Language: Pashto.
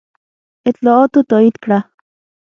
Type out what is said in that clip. اطلاعاتو تایید کړه.